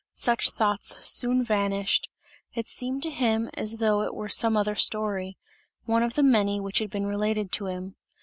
Such thoughts soon vanished; it seemed to him as though it were some other story one of the many which had been related to him.